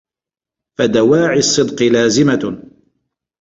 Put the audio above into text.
فَدَوَاعِي الصِّدْقِ لَازِمَةٌ